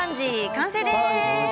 完成です。